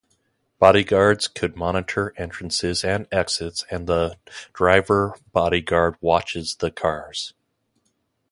Bodyguards could monitor entrances and exits and the driver-bodyguard watches the cars.